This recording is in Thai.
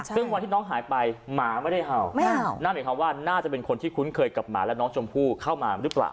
ซึ่งวันที่น้องหายไปหมาไม่ได้เห่านั่นหมายความว่าน่าจะเป็นคนที่คุ้นเคยกับหมาและน้องชมพู่เข้ามาหรือเปล่า